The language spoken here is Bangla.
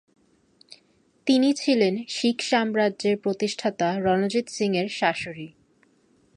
তিনি ছিলেন শিখ সাম্রাজ্যের প্রতিষ্ঠাতা রণজিৎ সিং-এর শ্বাশুড়ি।